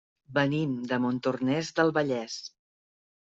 Venim de Montornès del Vallès.